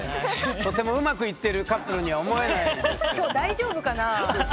とてもうまくいってるカップルには思えないんですけど。